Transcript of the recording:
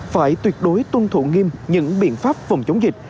phải tuyệt đối tuân thủ nghiêm những biện pháp phòng chống dịch